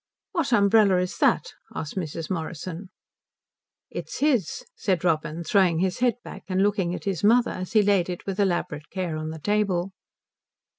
"What umbrella is that?" asked Mrs. Morrison. "It's his," said Robin, throwing his head back and looking at his mother as he laid it with elaborate care on the table.